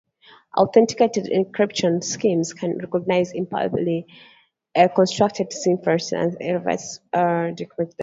Authenticated encryption schemes can recognize improperly-constructed ciphertexts and refuse to decrypt them.